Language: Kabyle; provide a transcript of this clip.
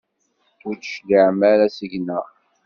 Ur d-tecliɛem ara seg-neɣ?